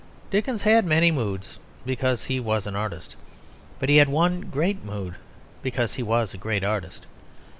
Dickens had many moods because he was an artist; but he had one great mood, because he was a great artist.